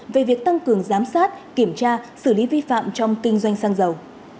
về việc tăng cường giám sát kiểm tra xử lý vi phạm trong kinh doanh xăng dầu